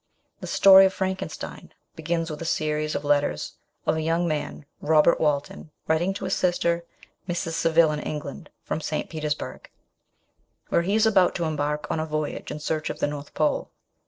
The story of Frankenstein begins with a series of letters of a young man, Robert Walton, writing to his sister, Mrs. Saville in England, from St. Petersburg, where he is about to embark on a voyage in search of the North Pole.